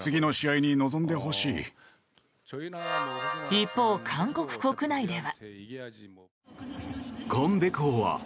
一方、韓国国内では。